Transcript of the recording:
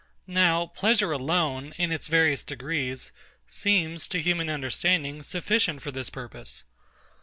Now pleasure alone, in its various degrees, seems to human understanding sufficient for this purpose.